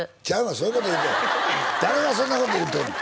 そういうこと言うてへん誰がそんなこと言うとんねん